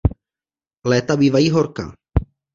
Léta bývají horká.